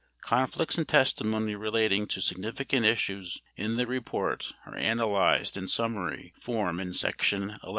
Conflicts in testimony relating to significant issues in the report are analyzed in summary form in section XI.